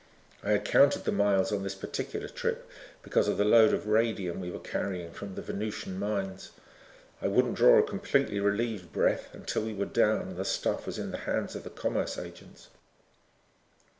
I had counted the miles on this particular trip because of the load of radium we were carrying from the Venusian mines. I wouldn't draw a completely relieved breath until we were down and the stuff was in the hands of the commerce agents.